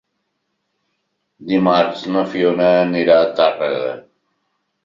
Dimarts na Fiona anirà a Tàrrega.